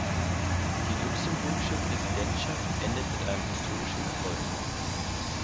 Die luxemburgische Präsidentschaft endet mit einem historischen Erfolg.